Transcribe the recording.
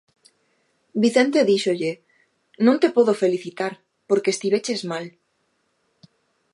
Vicente díxolle: "non te podo felicitar, porque estiveches mal".